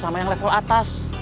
sama yang level atas